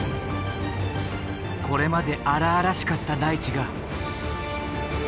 これまで荒々しかった大地が。